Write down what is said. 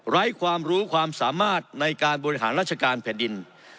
ความรู้ความสามารถในการบริหารราชการแผ่นดิน